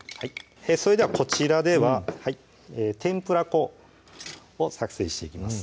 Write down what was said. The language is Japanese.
それではこちらでは天ぷら粉を作成していきます